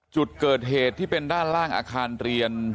จุดเกิดเหตุที่เป็นด้านล่างอาคารเรียน